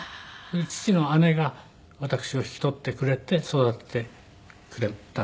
父の姉が私を引き取ってくれて育ててくれたんです。